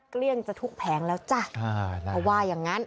เกลี้ยงจะทุกแผงแล้วจ้ะเขาว่าอย่างงั้น